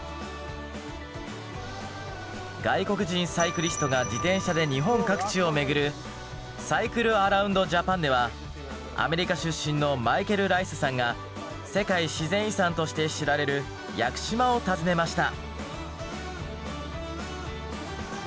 外国人サイクリストが自転車で日本各地を巡るアメリカ出身のマイケル・ライスさんが世界自然遺産として知られる屋久島を訪ねました。